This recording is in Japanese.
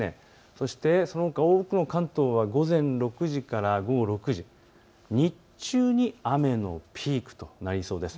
そして、そのほか多くの関東は午前６時から午後６時、日中に雨のピークとなりそうです。